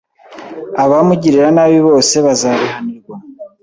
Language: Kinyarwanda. Abamugirira nabi bose bazabihanirwa,